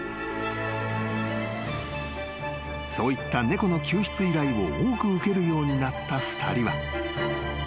［そういった猫の救出依頼を多く受けるようになった２人は］